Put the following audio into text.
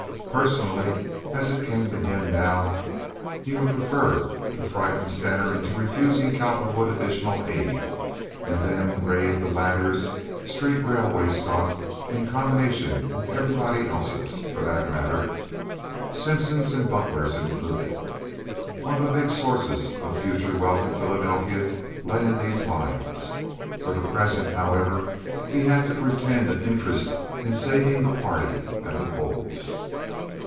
Personally as it came to him now he would prefer to frighten Stener into refusing Cowperwood additional aid, and then raid the latter's street railway stock in combination with everybody else's, for that matter—Simpson's and Butler's included. One of the big sources of future wealth in Philadelphia lay in these lines. For the present, however, he had to pretend an interest in saving the party at the polls.